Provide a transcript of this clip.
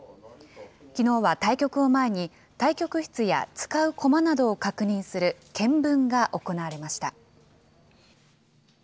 きのうは対局を前に、対局室や使う駒などを確認する、検分が行われました。